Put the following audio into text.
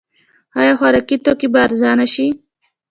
آیا خوراکي توکي به ارزانه شي؟